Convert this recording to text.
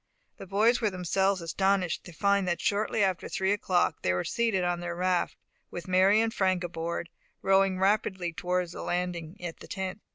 The boys were themselves astonished to find that shortly after three o'clock they were seated on their raft, with Mary and Frank aboard, rowing rapidly towards the landing at the tent.